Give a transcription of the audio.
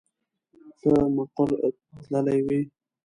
ته مقر تللی وې.